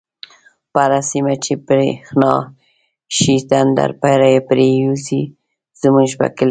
په هر سيمه چی بريښنا شی، تندر پر يوزی زموږ په کلی